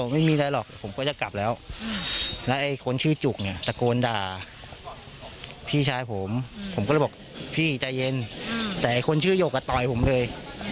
ไม่มีอะไรหรอกผมก็จะกลับแล้วแล้วไอ้คนชื่อจุกเนี่ยตะโกนด่าพี่ชายผมผมก็เลยบอกพี่ใจเย็นแต่ไอ้คนชื่อหยกต่อยผมเลย